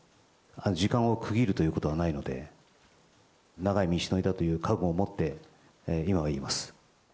時間を区切るということはないので、長い道のりだという覚悟を持って、今はいます。